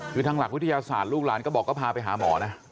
คือทางหลักวิทยาศาสตร์ลูกหลานก็บอกก็พาไปหาหมอนะ